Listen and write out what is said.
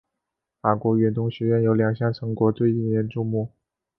法国远东学院有两项成果最引人注目。